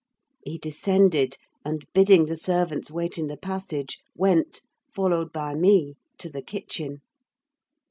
He descended, and bidding the servants wait in the passage, went, followed by me, to the kitchen.